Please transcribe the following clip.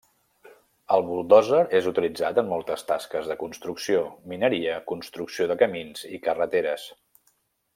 El buldòzer és utilitzat a moltes tasques de construcció, mineria, construcció de camins i carreteres.